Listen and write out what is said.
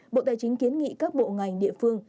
bộ tài chính kiến nghị các bộ ngành địa phương